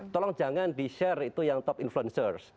tolong jangan di share itu yang top influencers